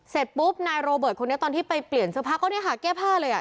เสร็จปุ๊บนายโรเบิร์ตคนนี้ตอนที่ไปเปลี่ยนเสื้อผ้าก็เนี่ยค่ะแก้ผ้าเลยอ่ะ